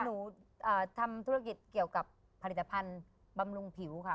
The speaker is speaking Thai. หนูทำธุรกิจเกี่ยวกับผลิตภัณฑ์บำรุงผิวค่ะ